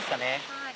はい。